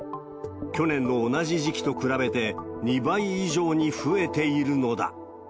去年の同じ時期と比べて２倍以上に増えているのだ。